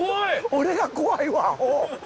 俺が怖いわアホ！